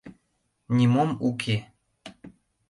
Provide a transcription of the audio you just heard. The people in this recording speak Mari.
— Нимом уке...